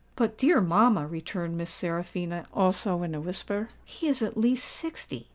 "But, dear mamma," returned Miss Seraphina, also in a whisper, "he is at least sixty."